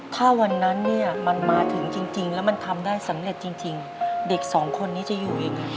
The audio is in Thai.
ถ้าวันนั้นเนี่ยมันมาถึงจริงแล้วมันทำได้สำเร็จจริงเด็กสองคนนี้จะอยู่ยังไง